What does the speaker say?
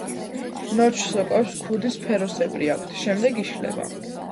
ნორჩ სოკოებს ქუდი სფეროსებრი აქვთ, შემდეგ იშლება.